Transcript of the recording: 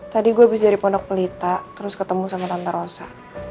tadi gue habis dari pondok pelita terus ketemu sama tanta rosa